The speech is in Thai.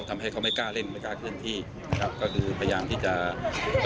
ทำให้เขาไม่กล้าเล่นไม่กล้าเคลื่อนที่นะครับ